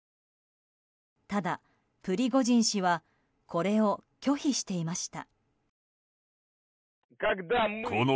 ただ、プリゴジン氏はこれを拒否していました。